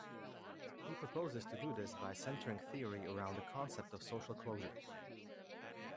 He proposes to do this by centering theory around the concept of social closure.